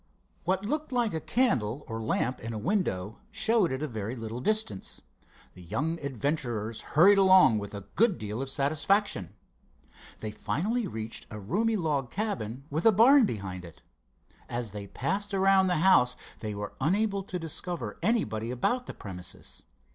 What looked like a candle or lamp in a window showed at a little distance. The young adventurers hurried along with a good deal of satisfaction. They finally reached a roomy log cabin with a barn behind it. As they passed around the house they were unable to discover anybody about the premises.